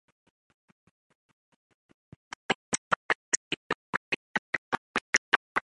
Planes fly at a speed of over eight hundred kilometres an hour.